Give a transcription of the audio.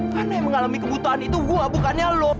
karena yang mengalami kebutuhan itu gue bukannya lo